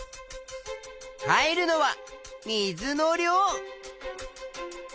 変えるのは水の量！